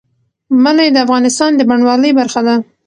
منی د افغانستان د بڼوالۍ برخه ده.